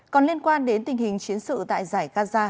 còn liên quan đến tình hình chiến sự tại giải gaza